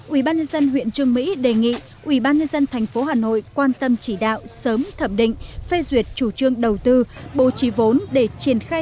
ubnd huyện trương mỹ đề nghị ubnd tp hà nội quan tâm chỉ đạo sớm thẩm định phê duyệt chủ trương đầu tư bố trí vốn để triển khai